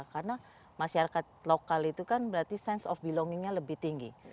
karena masyarakat lokal itu kan berarti sense of belongingnya lebih tinggi